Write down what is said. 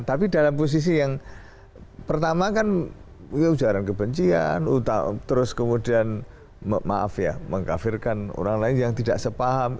tapi dalam posisi yang pertama kan ujaran kebencian terus kemudian maaf ya mengkafirkan orang lain yang tidak sepaham